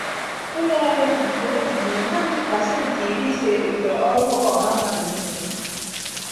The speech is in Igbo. Ụlọ ọrụ nkeonwe nyere naanị pasentị iri ise nke ọrụ ọha mmadụ niile.